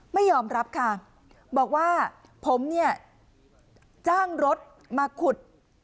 ไม่ยอมรับค่ะบอกว่าผมเนี่ยจ้างรถมาขุด